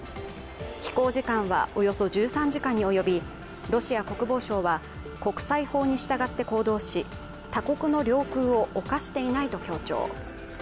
飛行時間はおよそ１３時間に及び、ロシア国防省は国際法に従って行動し、他国の領空を侵していないと強調。